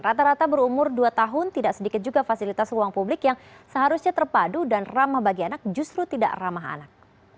rata rata berumur dua tahun tidak sedikit juga fasilitas ruang publik yang seharusnya terpadu dan ramah bagi anak justru tidak ramah anak